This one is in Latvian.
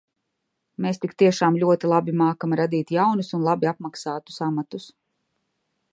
Mēs tik tiešām ļoti labi mākam radīt jaunus un labi apmaksātus amatus.